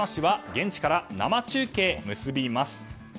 現地から生中継結びます。